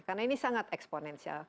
karena ini sangat eksponensial